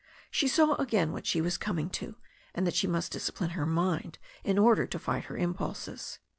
She saw again what she was coming to, and that she must discipline her mind in order to fight her impulses.